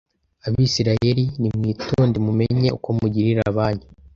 Abisirayeli nimwitonde mumenye uko mugirira abanyu